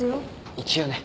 一応ね。